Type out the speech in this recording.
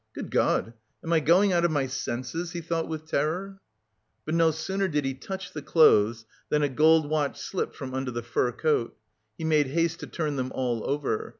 "Good God, am I going out of my senses?" he thought with terror. But no sooner did he touch the clothes than a gold watch slipped from under the fur coat. He made haste to turn them all over.